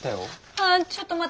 あちょっと待って。